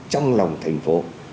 trong lòng thành phố